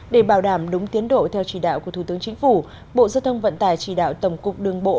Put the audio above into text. để bảo đảm đúng tiến độ theo chỉ đạo của thủ tướng chính phủ bộ giao thông vận tải chỉ đạo tổng cục đường bộ